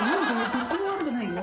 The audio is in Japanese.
どこも悪くないよ。